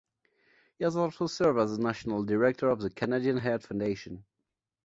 He has also served as national director of the Canadian Heart Foundation.